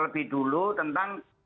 lebih dulu tentang